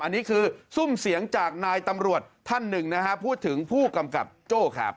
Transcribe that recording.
อันนี้คือซุ่มเสียงจากนายตำรวจท่านหนึ่งนะฮะพูดถึงผู้กำกับโจ้ครับ